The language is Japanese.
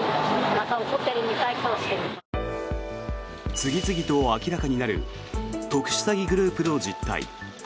次々と明らかになる特殊詐欺グループの実態。